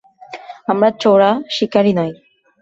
আমরা চোরা শিকারী নই।